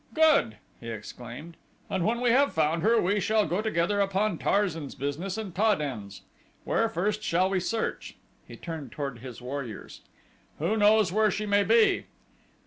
"Good!" he exclaimed. "And when we have found her we shall go together upon Tarzan's business and Ta den's. Where first shall we search?" He turned toward his warriors. "Who knows where she may be?"